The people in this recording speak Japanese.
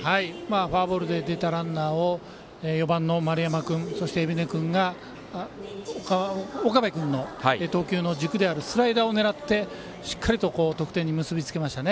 フォアボールで出たランナーを４番の丸山君そして海老根君が岡部君の投球の軸であるスライダーを狙ってしっかりと得点に結び付けました。